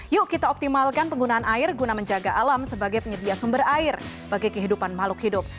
yuk kita optimalkan penggunaan air guna menjaga alam sebagai penyedia sumber air bagi kehidupan makhluk hidup